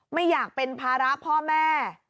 ไม่อยากเป็นภาระพ่อแม่